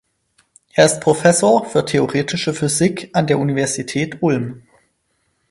Er ist Professor für Theoretische Physik an der Universität Ulm.